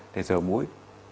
để rửa mũi